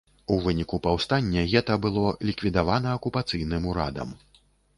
У выніку паўстання гета было ліквідавана акупацыйным урадам.